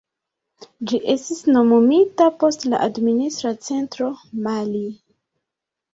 Ĝi estis nomumita post la administra centro Mali.